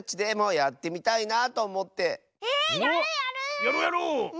やろうやろう！